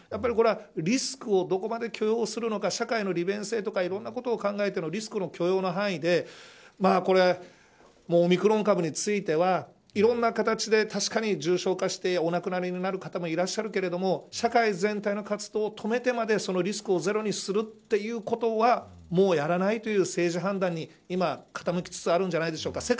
これはリスクをどこまで許容するのか社会の利便性とかいろんなことを考えてのリスクの許容範囲でオミクロン株についてはいろんな形で確かに重症化してお亡くなりになる方もいらっしゃるけれども社会全体の活動を止めてまでそのリスクをゼロにするということはもうやらないという政治判断に今、傾きつつあるんじゃないでしょうか。